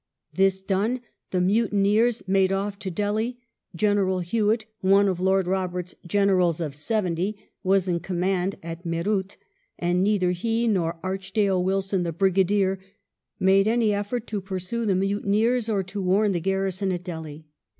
This done, the mutineers made off to Delhi. General Hewitt — one of Lord Roberts' " Generals of Seventy "— was in command at Meerut, and neither he nor Archdale Wilson, the Brigadier, made any effort to pursue the mutineers or to warn the garrison at Delhi.